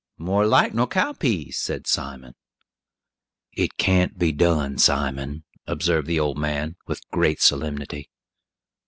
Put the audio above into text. "More alike nor cow peas," said Simon. "It can't be done, Simon," observed the old man, with great solemnity.